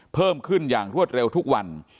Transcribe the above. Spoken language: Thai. เพิ่มขึ้นอย่างรวดเร็วทุกวัน